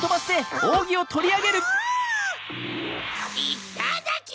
いっただき！